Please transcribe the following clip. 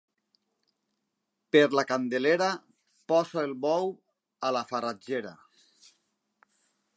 Per la Candelera posa el bou a la farratgera.